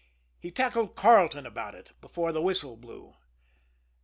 He tackled Carleton about it before the whistle blew.